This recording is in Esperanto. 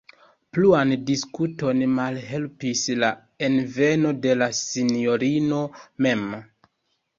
Pluan diskuton malhelpis la enveno de la sinjorino mem.